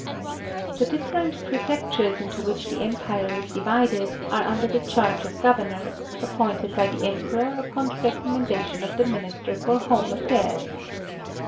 The different prefectures into which the empire is divided are under the charge of governors, appointed by the Emperor upon the recommendation of the minister for home affairs.